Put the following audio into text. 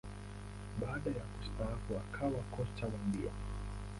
Baada ya kustaafu, akawa kocha wa mbio.